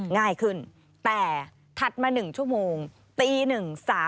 สวัสดีค่ะสวัสดีค่ะ